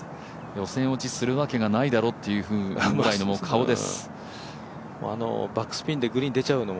予選落ちするわけないだろうというぐらいの顔です。